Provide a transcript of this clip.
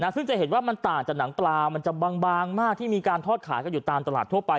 ซึ่งจะเห็นว่ามันต่างจากหนังปลามันจะบางมากที่มีการทอดขายกันอยู่ตามตลาดทั่วไป